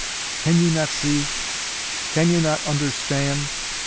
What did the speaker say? Can you not see? Can you not understand?